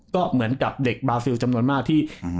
ก็เหมือนกับเด็กบาซิลจำนวนมากที่